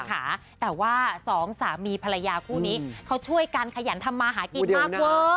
แต่มาว่า๒สามีพรายาผู้นี้เค้าช่วยกันขยันทำมาหากินมากเมอร์